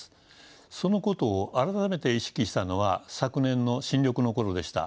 そのことを改めて意識したのは昨年の新緑の頃でした。